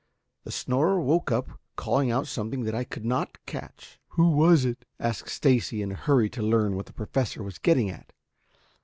The snorer woke up calling out something that I could not catch." "Who was it?" asked Stacy in a hurry to learn what the Professor was getting at.